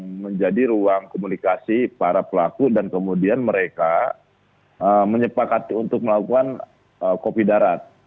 yang menjadi ruang komunikasi para pelaku dan kemudian mereka menyepakati untuk melakukan kopi darat